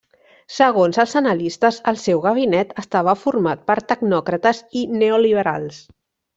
Segons els analistes, el seu gabinet estava format per tecnòcrates i neoliberals.